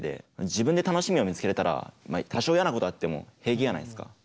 自分で楽しみを見つけれたらまあ多少嫌なことあっても平気じゃないですか。